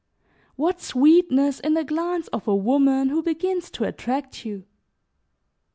What sweetness in the glance of a woman who begins to attract you!